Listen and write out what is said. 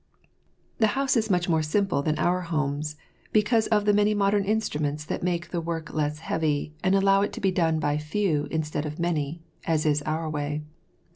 This house is much more simple than our homes, because of the many modern instruments that make the work less heavy and allow it to be done by few instead of many, as is our way.